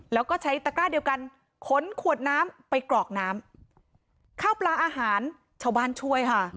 แล้วก็ใช้ตะกร้าเดียวกันขนขวดน้ำไปกรอกน้ำข้าวปลาอาหารชาวบ้านช่วยค่ะ